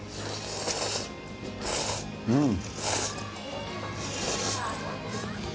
うん。